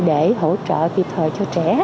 để hỗ trợ tiệp hợp cho trẻ